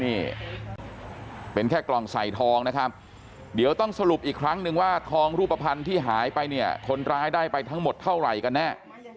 นี่เป็นแค่กล่องใส่ทองนะครับเดี๋ยวต้องสรุปอีกครั้งนึงว่าทองรูปภัณฑ์ที่หายไปเนี่ยคนร้ายได้ไปทั้งหมดเท่าไหร่กันแน่